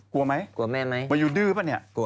กลัวไหมมายูดื้อป่ะเนี่ย